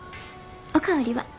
お代わりは？